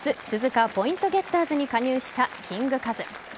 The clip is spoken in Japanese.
鈴鹿ポイントゲッターズに加入したキング・カズ。